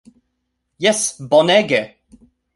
Jes bonege!